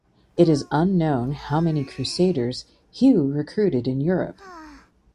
It is unknown how many crusaders Hugh recruited in Europe.